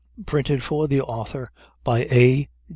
Printed for the author by A.